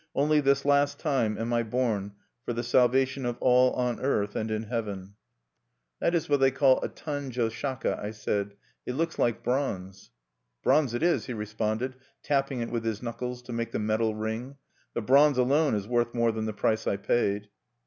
Only this last time am I born for the salvation of all on earth and in heaven._" "That is what they call a Tanjo Shaka," I said. "It looks like bronze." "Bronze it is," he responded, tapping it with his knuckles to make the metal ring. "The bronze alone is worth more than the price I paid."